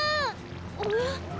おや？